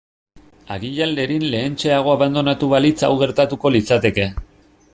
Agian Lerin lehentxeago abandonatu balitz hau gertatuko litzateke.